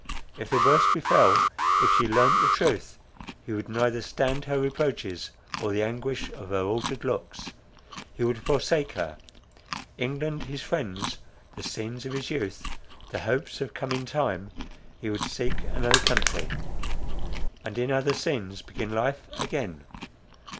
If the worst befell; if she learnt the truth, he would neither stand her reproaches, or the anguish of her altered looks. He would forsake her, England, his friends, the scenes of his youth, the hopes of coming time, he would seek another country, and in other scenes begin life again.